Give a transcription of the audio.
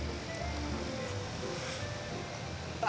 あ！